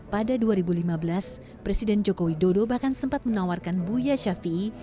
pada dua ribu lima belas presiden jokowi dodo bahkan sempat menawarkan buya shafi'i